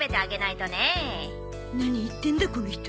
何言ってんだこの人。